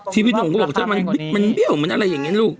พี่หนุ่มก็บอกถ้ามันเบี้ยวมันอะไรอย่างนี้ลูก